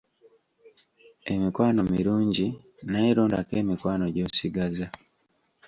Emikwano mirungi naye londako emikwano gy'osigaza.